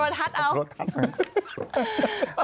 ตาโทรทัศน์